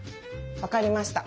わかりました。